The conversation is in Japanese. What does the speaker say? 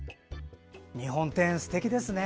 日本庭園、すてきですね。